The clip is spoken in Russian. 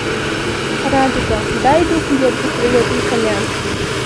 Радуга, дай дуг лет быстролётным коням.